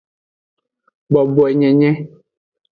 Boboenyenye.